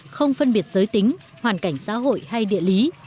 không phân biệt giới tính hoàn cảnh xã hội hay địa lý